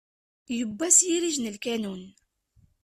Yewwa s yirij n lkanun!